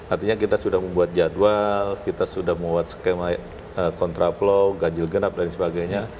artinya kita sudah membuat jadwal kita sudah membuat skema kontraflow ganjil genap dan sebagainya